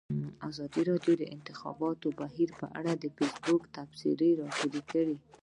ازادي راډیو د د انتخاباتو بهیر په اړه د فیسبوک تبصرې راټولې کړي.